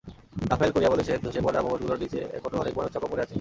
Rafael Correa বলেছেন, ধসে পড়া ভবনগুলোর নিচে এখনো অনেক মানুষ চাপা পড়ে আছে।